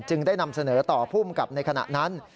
ได้นำเสนอต่อภูมิกับในขณะนั้น